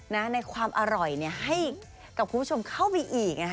ในความอร่อยให้กับคุณผู้ชมเข้าไปอีก